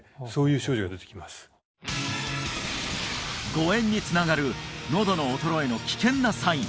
誤嚥につながるのどの衰えの危険なサイン